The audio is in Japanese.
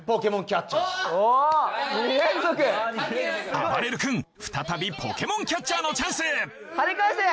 あばれる君再びポケモンキャッチャーのチャンス跳ね返せ！